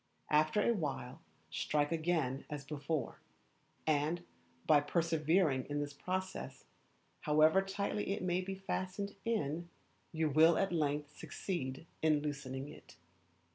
After a while strike again as before; and, by persevering in this process, however tightly it may be fastened in, you will at length succeed in loosening it.